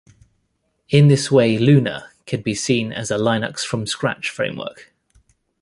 In this way Lunar can be seen as a Linux From Scratch framework.